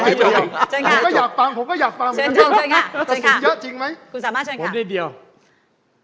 เชิญคุณสามมาเชิญค่ะ